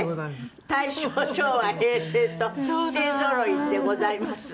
大正昭和平成と勢ぞろいでございます。